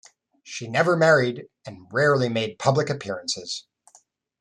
She never married and rarely made public appearances.